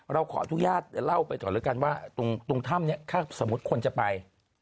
เราขออนุญาตเล่าไปก่อนแล้วกันว่าตรงถ้ำนี้ถ้าสมมุติคนจะไป